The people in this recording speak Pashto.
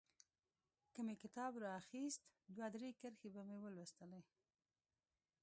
که مې کتاب رااخيست دوه درې کرښې به مې ولوستلې.